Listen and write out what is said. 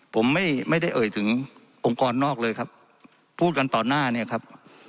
ผมไม่ไม่ได้เอ่ยถึงองค์กรนอกเลยครับพูดกันต่อหน้าเนี่ยครับ